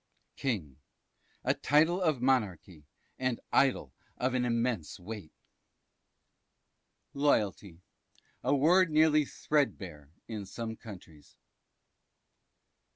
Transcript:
King. A title of Monarchy, and Idol of an immense weight. Loyalty. A word nearly threadbare in some countries.